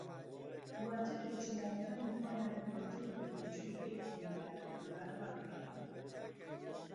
دواتر پێشنیارەكانی خۆیان لە پرۆژەیەک بە تێچووی یەک ملیار دۆلار رابگەیەنن